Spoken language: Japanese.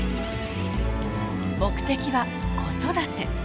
目的は子育て。